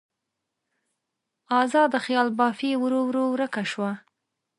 ازاده خیال بافي ورو ورو ورکه شوه.